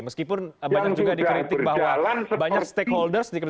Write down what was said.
meskipun banyak juga dikritik bahwa banyak stakeholders di situ